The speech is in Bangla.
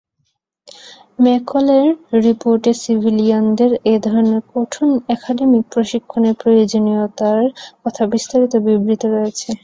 ম্যাকলের রিপোর্টে সিভিলয়ানদের এ ধরনের কঠোর একাডেমিক প্রশিক্ষণের প্রয়োজনীয়তার কথা বিস্তারিত বিবৃত রয়েছে।